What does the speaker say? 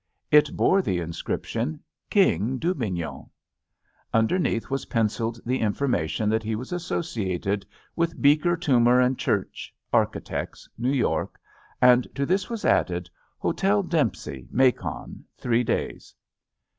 It bore the inscription, "King Dubignon." Under neath was penciled the information that he was associated with Beeker, Toomer & Church, Architects, New York, and to this was added, "Hotel Dempsey, Macon, three days."